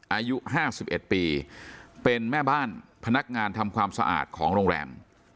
อายุ๕๑ปีเป็นแม่บ้านพนักงานทำความสะอาดของโรงแรม